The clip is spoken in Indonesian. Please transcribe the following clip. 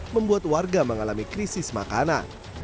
membuat warga mengalami krisis makanan